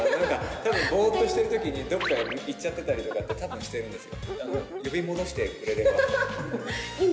たぶんぼーっとしているときに、どっか行っちゃってたりとか、たぶんしてるんですよ。